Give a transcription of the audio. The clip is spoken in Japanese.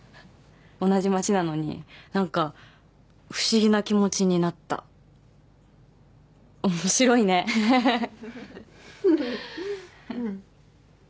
同じ街なのになんか不思議な気持ちになった面白いねははははっ